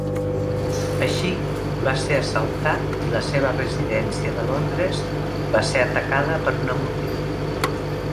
Així, va ser assaltat i la seva residència de Londres va ser atacada per una multitud.